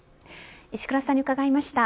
石倉さんに伺いました。